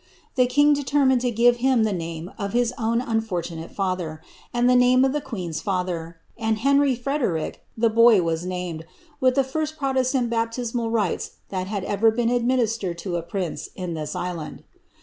The king determined to giro him the name of his own unfortunate father, and the name of the queen^s fiither, and Henry Frederic, the boy was named, with the first protestant baptismal rites that had erer been administered to a prince in this island.